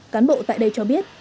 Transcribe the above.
cán bộ tại đây cho biết